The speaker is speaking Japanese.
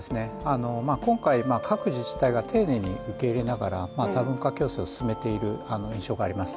今回、各自治体が丁寧に受け入れながら多文化共生を進めている印象があります。